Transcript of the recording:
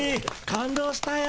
感動したよ。